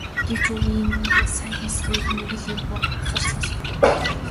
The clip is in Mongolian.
Гэвч хүүгийн нь сая хэлсэн үг нэг л эвгүй хахир сонстов.